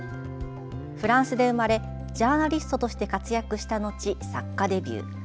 フランスで生まれジャーナリストとして活躍した後作家デビュー。